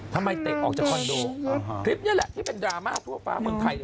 เตะออกจากคอนโดคลิปนี้แหละที่เป็นดราม่าทั่วฟ้าเมืองไทย